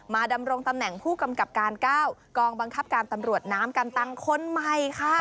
ดำรงตำแหน่งผู้กำกับการ๙กองบังคับการตำรวจน้ำกันตังคนใหม่ค่ะ